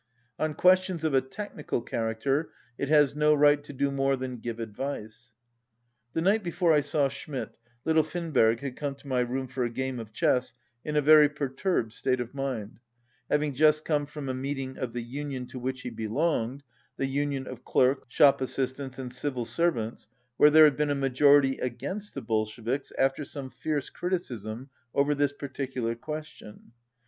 On questions of a technical char acter it has no right to do more than give advice. The night before I saw Schmidt, little Finberg had come to my room for a game of chess in a veiy perturbed state of mind, having just come from a meeting of the union to which he belonged (the union of clerks, shop assistants and civil servants) where there had been a majority against the Bolsheviks after some fierce criticism over this particular question.